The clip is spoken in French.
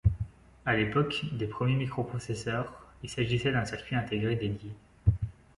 À l'époque des premiers microprocesseurs, il s'agissait d'un circuit intégré dédié.